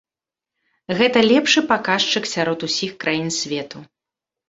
Гэта лепшы паказчык сярод усіх краін свету.